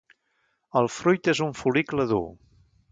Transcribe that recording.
El fruit és un fol·licle dur.